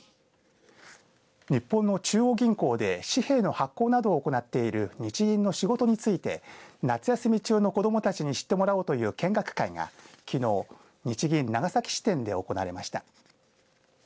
日本の中央銀行で紙幣の発行などを行っている日銀の仕事について夏休み中の子どもたちに知ってもらおうという見学会がきのう日銀長崎支店で行われました。